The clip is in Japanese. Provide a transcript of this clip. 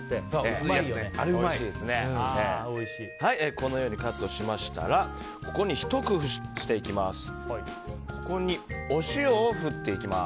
このようにカットしましたらここにひと工夫していきます。